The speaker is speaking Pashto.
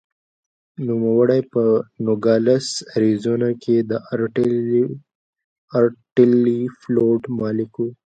نوموړی په نوګالس اریزونا کې د ارټلي فلوټ مالک و.